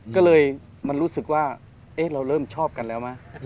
ก็เลยมันรู้สึกว่าเราเริ่มชอบกันแล้วมั้ย